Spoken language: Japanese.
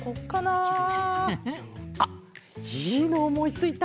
フフフ。あっいいのおもいついた。